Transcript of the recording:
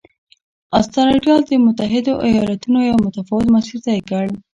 اسټرالیا او متحدو ایالتونو یو متفاوت مسیر طی کړ.